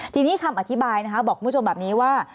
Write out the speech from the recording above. ทีนี้คำอธิบายนะคะบอกคุณผู้ชมแบบนี้ว่า